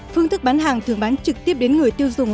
phương thức bán hàng thường bán trực tiếp đến người tiêu dùng